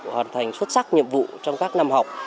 hoàn thành xuất sắc nhiệm vụ trong các năm học